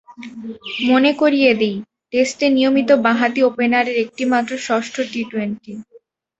মনে করিয়ে দিই, টেস্টে নিয়মিত বাঁহাতি ওপেনারের এটি মাত্র ষষ্ঠ টি-টোয়েন্টি।